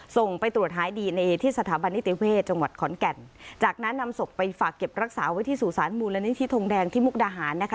ส่งไปตรวจหายดีในที่สถาบันนิติเวศจังหวัดขอนแก่นจากนั้นนำศพไปฝากเก็บรักษาไว้ที่สู่สารมูลนิธิทงแดงที่มุกดาหารนะคะ